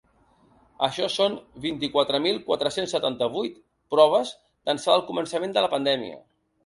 Això són vint-i-quatre mil quatre-cents setanta-vuit proves d’ençà del començament de la pandèmia.